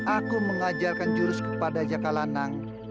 aku mengajarkan jurus kepada jakalanang